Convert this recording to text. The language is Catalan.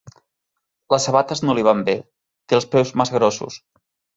Les sabates no li van bé, té els peus massa grossos.